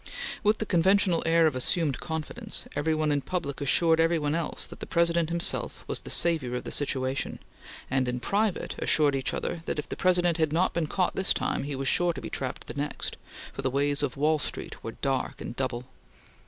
With the conventional air of assumed confidence, every one in public assured every one else that the President himself was the savior of the situation, and in private assured each other that if the President had not been caught this time, he was sure to be trapped the next, for the ways of Wall Street were dark and double.